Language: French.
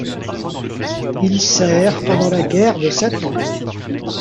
Il sert pendant la guerre de Sept Ans.